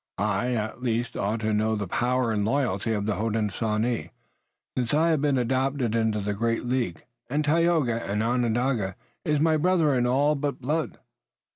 "I at least ought to know the power and loyalty of the Hodenosaunee, since I have been adopted into the great League and Tayoga, an Onondaga, is my brother, in all but blood."